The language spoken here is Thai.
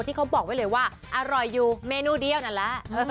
เขาบอกไว้เลยว่าอร่อยอยู่เมนูเดียวนั่นแหละ